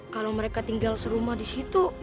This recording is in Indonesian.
kalau mereka tinggal serumah di situ